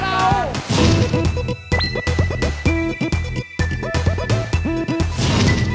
บาสเพื่อยเรามี